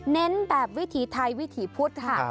เน้นแบบวิถีไทยวิถีพุทธค่ะ